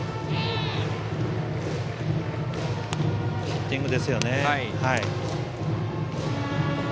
ヒッティングですよね。